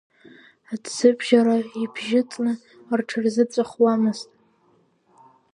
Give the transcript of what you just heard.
Аҭӡыбжьара ибжьыҵны рҽырзыҵәахуамызт.